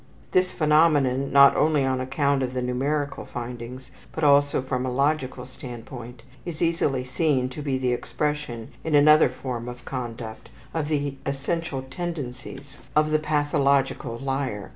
This phenomenon, not only on account of the numerical findings, but also from a logical standpoint, is easily seen to be the expression, in another form of conduct, of the essential tendencies of the pathological liar.